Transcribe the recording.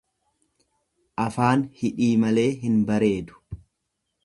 Afaan hidhii malee hin bareedu.